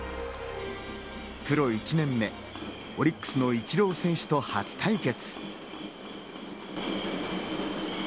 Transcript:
プロ１年目、オリックスのイチロー選手と初対決。